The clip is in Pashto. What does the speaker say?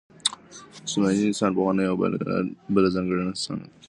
جسماني انسان پوهنه یوه بله ځانګړې څانګه ده.